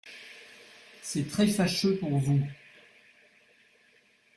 C’est très-fâcheux pour vous.